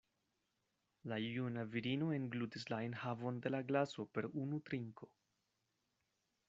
La juna virino englutis la enhavon de la glaso per unu trinko.